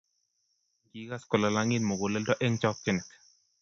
Kikas kolalangit muguleldo eng chokchinet